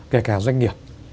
kể cả doanh nghiệp